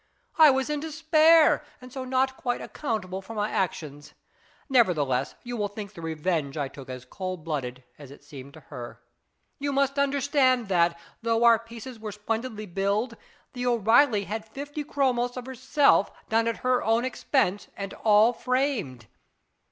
I was in despair, and so not quite accountable for my actions. Nevertheless, you will think the revenge I took as cold blooded as it seemed to her. You must understand that, though our pieces were splendidly billed, the O'Reilly had fifty chromos of herself, done at her own expense, and all framed.